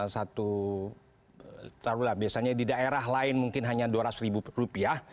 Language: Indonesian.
satu taruhlah biasanya di daerah lain mungkin hanya dua ratus ribu rupiah